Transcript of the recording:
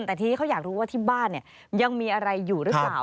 แต่ทีนี้เขาอยากรู้ว่าที่บ้านยังมีอะไรอยู่หรือเปล่า